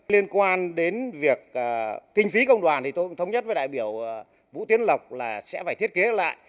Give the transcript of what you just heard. liên quan đến việc kinh phí công đoàn thì tôi cũng thống nhất với đại biểu vũ tiến lộc là sẽ phải thiết kế lại